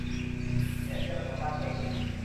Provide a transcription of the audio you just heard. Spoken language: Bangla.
এস্কেলেটর কাজ করছে না।